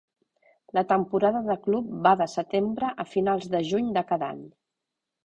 La temporada de Club va de setembre a finals de juny de cada any.